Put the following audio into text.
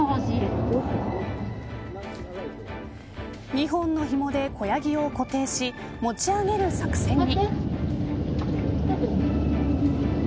２本のひもで子ヤギを固定し持ち上げる作戦に。